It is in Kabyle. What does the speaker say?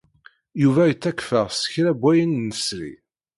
Yuba yettakf-aɣ s kra n wayen nesri.